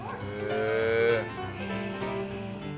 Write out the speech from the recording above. へえ！